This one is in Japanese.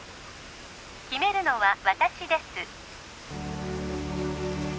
決めるのは私です